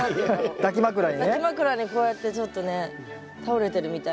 抱き枕にこうやってちょっとね倒れてるみたいな。